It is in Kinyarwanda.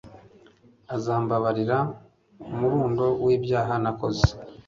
azambabarira umurundo w'ibyaha nakoze